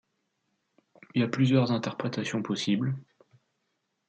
Il y a plusieurs interprétations possibles.